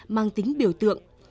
mang tính biểu tượng